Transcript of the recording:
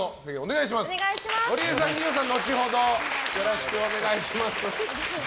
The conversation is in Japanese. ゴリエさん、二葉さんは後ほどよろしくお願いします。